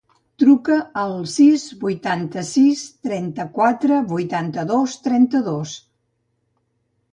Truca al sis, vuitanta-sis, trenta-quatre, vuitanta-dos, trenta-dos.